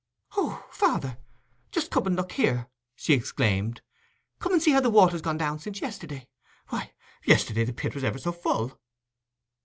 "Oh, father, just come and look here," she exclaimed—"come and see how the water's gone down since yesterday. Why, yesterday the pit was ever so full!"